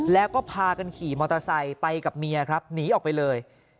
แล้วก็พากันขี่มอเตอร์ไซค์ไปกับเมียครับหนีออกไปเลย